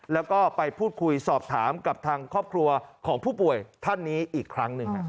แล้วก็ไปพูดคุยสอบถามกับทางครอบครัวของผู้ป่วยท่านนี้อีกครั้งหนึ่ง